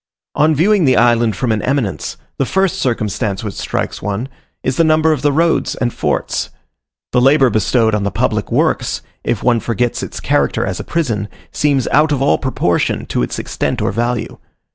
On viewing the island from an eminence, the first circumstance which strikes one, is the number of the roads and forts: the labour bestowed on the public works, if one forgets its character as a prison, seems out of all proportion to its extent or value.